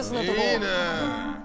いいね！